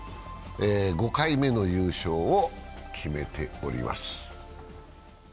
５回目の優勝を決めております。